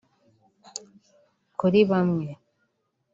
Kuri bamwe